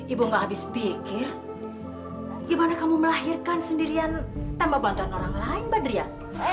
ibu gabis pikir gimana kamu melahirkan sendirian tanpa bantuan orang lain badriyah